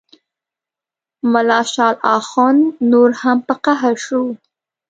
ملا شال اخند نور هم په قهر شو.